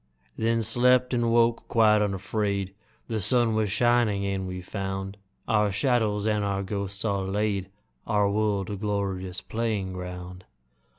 Then slept, and woke quite unafraid. The sun was shining, and we found Our shadows and our ghosts all laid, Our world a glorious playing ground.